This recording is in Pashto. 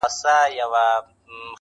په شتوالي یو راز ټینګار کوي